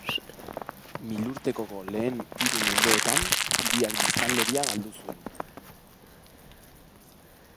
Milurtekoko lehen hiru mendeetan, hiriak biztanleria galdu zuen.